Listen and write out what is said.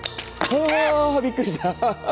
ああーびっくりした。